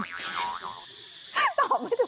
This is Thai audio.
ตอบไม่ถูก